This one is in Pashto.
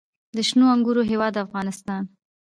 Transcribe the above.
د شنو انګورو هیواد افغانستان.